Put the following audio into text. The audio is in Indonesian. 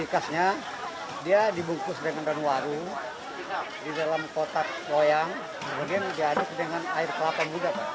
khasnya dia dibungkus dengan daun waru di dalam kotak loyang kemudian diaduk dengan air kelapa muda